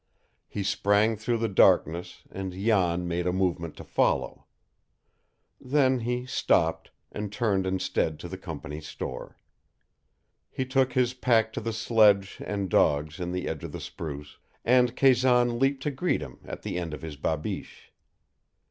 He sprang through the darkness and Jan made a movement to follow. Then he stopped, and turned instead to the company's store. He took his pack to the sledge and dogs in the edge of the spruce, and Kazan leaped to greet him at the end of his babiche.